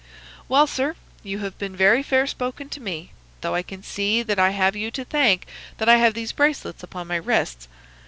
"Well, sir, you have been very fair spoken to me, though I can see that I have you to thank that I have these bracelets upon my wrists.